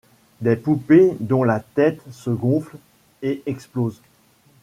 Des poupées dont la tête se gonfle et explose.